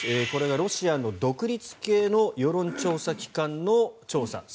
これがロシアの独立系の世論調査機関の調査。